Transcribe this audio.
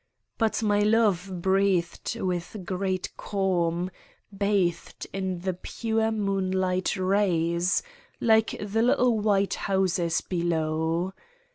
But my love breathed with great calm, bathed in the pure moonlight rays, like the little white houses below.